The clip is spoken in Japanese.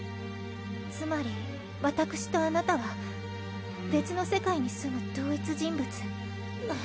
つまり私とあなたは別の世界に住む同一人物。